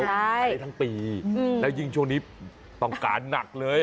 ใช้ได้ทั้งปีแล้วยิ่งช่วงนี้ต้องการหนักเลย